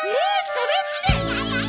それって。